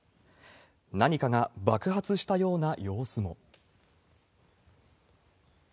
何かが爆発したような様子も。